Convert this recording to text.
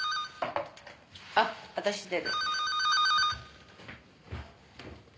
あっ私出る。